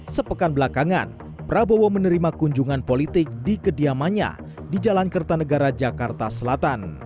sepekan belakangan prabowo menerima kunjungan politik di kediamannya di jalan kertanegara jakarta selatan